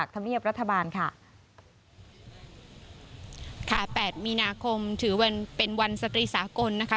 ค่ะ๘มีนาคมถือวันเป็นวันสตรีสากลนะคะ